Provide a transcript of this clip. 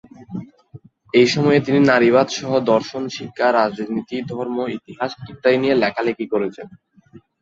এই সময়ে তিনি নারীবাদ সহ দর্শন, শিক্ষা, রাজনীতি, ধর্ম, ইতিহাস, ইত্যাদি নিয়ে লেখালেখি করেছেন।